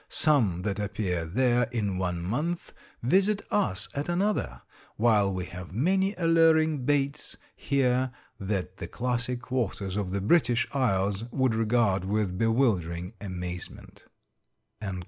Some that appear there in one month visit us at another, while we have many alluring baits here that the classic waters of the British Isles would regard with bewildering amazement."